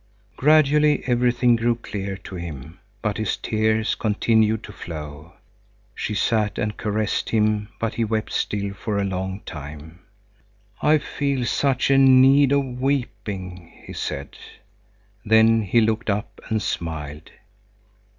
Gradually everything grew clear to him; but his tears continued to flow. She sat and caressed him, but he wept still for a long time. "I feel such a need of weeping," he said. Then he looked up and smiled.